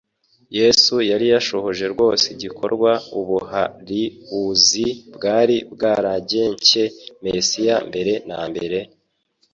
Yesu yari yashohoje rwose igikorwa ubuhariuzi bwari bwaragencye Mesiya mbere na mbere;